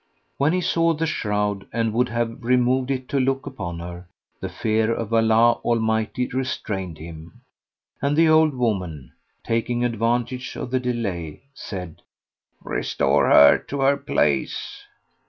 When he saw the shroud and would have removed it to look upon her, the fear of Allah Almighty restrained him, and the old woman (taking advantage of the delay) said, "Restore her to her place."